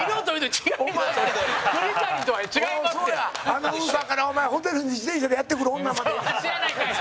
アナウンサーから、ホテルに自転車でやって来る女まで。